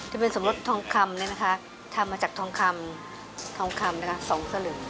ทะเบนสมรสทองคำนี้นะคะทำมาจากทองคำ๒สลึง